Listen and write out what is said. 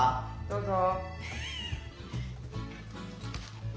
・どうぞ。